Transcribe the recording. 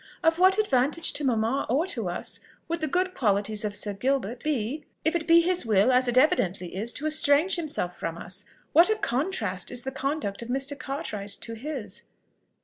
Of what advantage to mamma, or to us, would the good qualities of Sir Gilbert he, if it be his will, as it evidently is, to estrange himself from us? What a contrast is the conduct of Mr. Cartwright to his!"